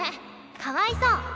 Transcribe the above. かわいそう！